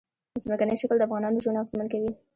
ځمکنی شکل د افغانانو ژوند اغېزمن کوي.